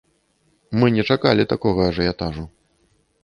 Мы не чакалі такога ажыятажу.